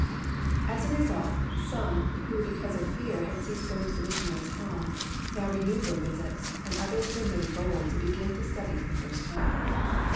As a result, some who because of fear had ceased going to the missionaries ' home, now renewed their visits, and others were made bold to begin to study for the first time.